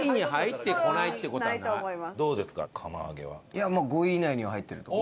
いやもう５位以内には入ってると思う。